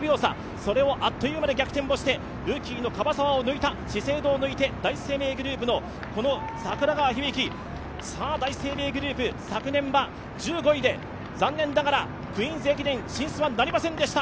それをあっという間に逆転をして、ルーキーの樺沢、資生堂を抜いて第一生命グループの櫻川響晶、昨年は、１５位で残念ながら「クイーンズ駅伝」進出はなりませんでした。